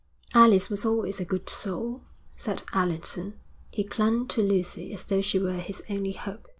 'Alice was always a good soul,' said Allerton. He clung to Lucy as though she were his only hope.